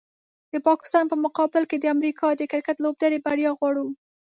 د پاکستان په مقابل کې د امریکا د کرکټ لوبډلې بریا غواړو